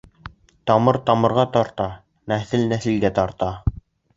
Тамыр тамырға тарта, нәҫел нәҫелгә тарта.